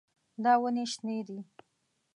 دا ونې شنې دي.